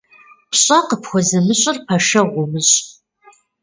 Пщӏэ къыпхуэзымыщӏыр пэшэгъу умыщӏ.